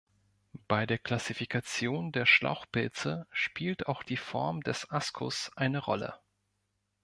Bei der Klassifikation der Schlauchpilze spielt auch die Form des Ascus eine Rolle.